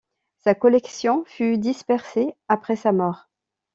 Sa collection fut dispersée après sa mort.